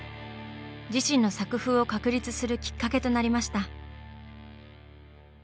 自身の作風を確立するきっかけとなりました。